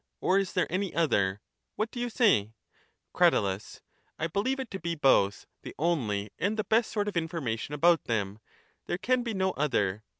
or is there any other? What do you say? Crat. I beheve it to be both the only and the best sort of information about them ; there can be no other.